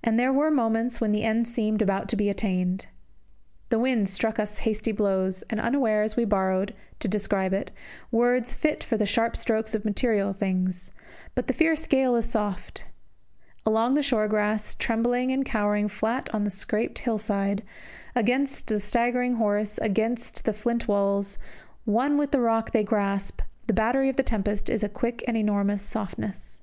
And there were moments when the end seemed about to be attained. The wind struck us hasty blows, and unawares we borrowed, to describe it, words fit for the sharp strokes of material things; but the fierce gale is soft. Along the short grass, trembling and cowering flat on the scarped hill side, against the staggering horse, against the flint walls, one with the rock they grasp, the battery of the tempest is a quick and enormous softness.